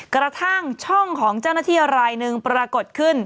กระทั่งช่องของเจ้าหน้าที่รายหนึ่งปรากฏขึ้น